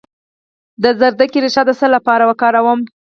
د ګازرې ریښه د څه لپاره وکاروم؟